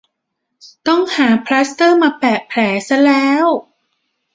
ต้องหาพลาสเตอร์มาแปะแผลซะแล้ว